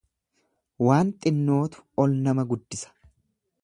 Waan xinnootu ol nama guddisa.